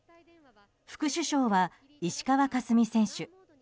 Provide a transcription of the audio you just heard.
副主将は、石川佳純選手。